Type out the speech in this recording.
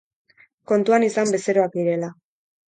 Kontuan izan bezeroak direla.